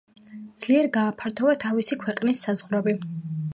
ძლიერ გააფართოვა თავისი ქვეყნის საზღვრები.